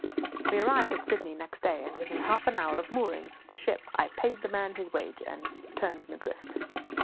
We arrived at Sydney next day, and within half an hour of mooring the ship I paid the man his wages and turned him adrift.